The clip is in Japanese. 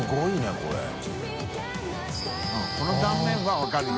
この断面は分かるよ。